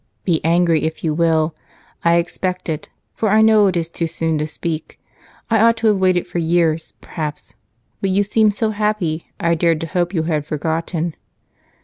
"Be angry, if you will. I expect it, for I know it is too soon to speak. I ought to wait for years, perhaps, but you seemed so happy I dared to hope you had forgotten."